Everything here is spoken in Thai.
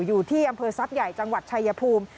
อยู่ที่อำเภอทรัพย์ใหญ่จังหวัดชายภูมิ